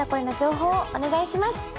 な情報をお願いします。